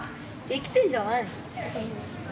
生きてんじゃないの？